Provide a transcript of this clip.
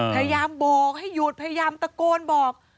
พยายามโบกให้หยุดพยายามตะโกนบอก